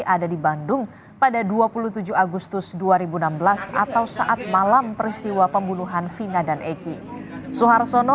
ada di bandung pada dua puluh tujuh agustus dua ribu enam belas atau saat malam peristiwa pembunuhan vina dan egy suhartono